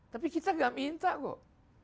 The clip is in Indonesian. tapi kita nggak minta kok